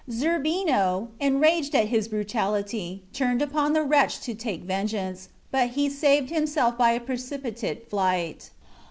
Zerbino, enraged at his brutality, turned upon the wretch to take vengeance, but he saved himself by a precipitate flight.